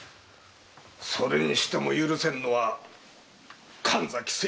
それにしても許せぬのは神崎清兵衛。